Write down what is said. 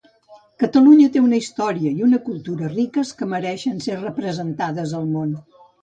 Catalunya té una història i una cultura riques que mereixen ser representades al món